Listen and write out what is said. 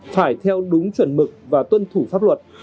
phải theo đúng chuẩn mực và tuân thủ pháp luật